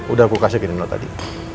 udah aku kasih ke nino tadi